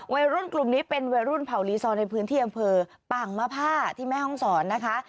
วัยรุ่นกลุ่มนี้เป็นวัยรุ่นเผารีซอร์ในพื้นที่อำเภอป่างมะผ้าที่แม่ห้องศรนะคะ